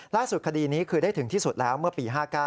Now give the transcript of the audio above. คดีนี้คือได้ถึงที่สุดแล้วเมื่อปี๕๙